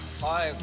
はい。